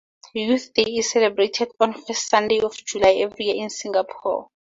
Youth Day is celebrated on first Sunday of July every year in Singapore.